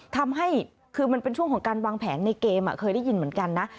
ทำให้คือมันเป็นช่วงของการวางแผนในเกมเคยได้ยินเหมือนกันนะ